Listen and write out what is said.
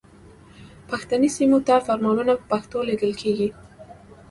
پښتني سیمو ته فرمانونه په پښتو لیږل کیږي.